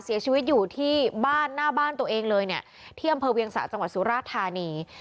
เสียชีวิตอยู่ที่บ้านหน้าบ้านตัวเองเลยเนี่ยที่อำเภอเวียงสะจังหวัดสุราธานี